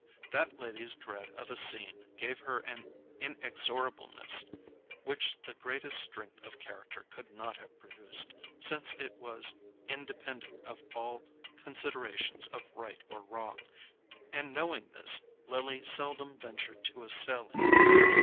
That lady's dread of a scene gave her an inexorableness which the greatest strength of character could not have produced, since it was independent of all considerations of right or wrong; and knowing this, Lily seldom ventured to assail it.